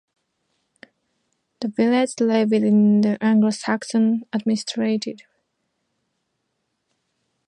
The village lay within the Anglo-Saxon administrative division of Tandridge hundred.